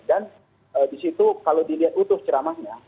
dan di situ kalau dilihat utuh ceramahnya